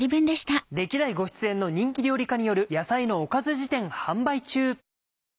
歴代ご出演の人気料理家による『野菜のおかず事典』販売中！